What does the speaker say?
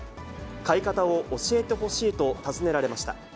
買い方を教えてほしいと尋ねられました。